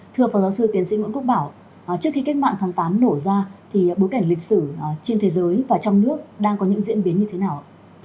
thưa phó giáo sư tiến sĩ nguyễn quốc bảo trước khi kết mạng thắng phán nổ ra thì bối cảnh lịch sử trên thế giới và trong nước đang có những diễn biến như thế nào